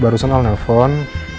barusan al nelfon